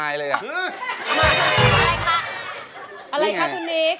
อะไรค่ะตัวนี้